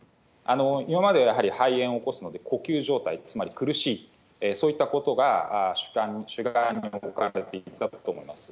今まではやはり肺炎を起こすので、呼吸状態、つまり苦しい、そういったことが主眼に置かれていたと思います。